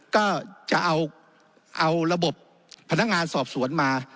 ก็จะเอาระบบพนักงานสอบสวนมา